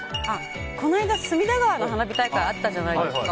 この間、隅田川の花火大会あったじゃないですか。